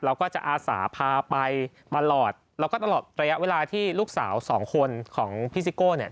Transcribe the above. เราก็จะอาสาพาไปมาหลอดแล้วก็ตลอดระยะเวลาที่ลูกสาวสองคนของพี่ซิโก้เนี่ย